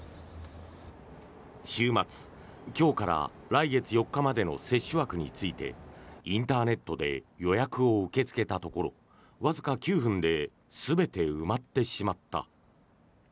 週末、今日から来月４日までの接種枠についてインターネットで予約を受け付けたところわずか９分で全て埋まってしまった。